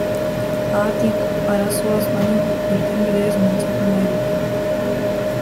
Haatik, arazoaz baino, irtenbideez mintzatu nahi dute.